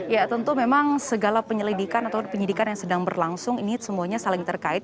ya tentu memang segala penyelidikan atau penyidikan yang sedang berlangsung ini semuanya saling terkait